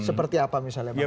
seperti apa misalnya bang iftar